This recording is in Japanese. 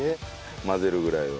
混ぜるぐらいは。